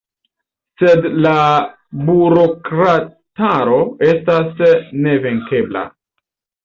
Sed la burokrataro estas nevenkebla.